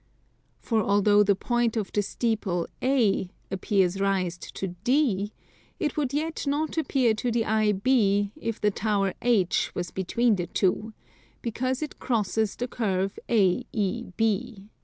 For although the point of the steeple A appears raised to D, it would yet not appear to the eye B if the tower H was between the two, because it crosses the curve AEB.